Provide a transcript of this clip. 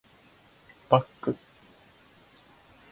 バック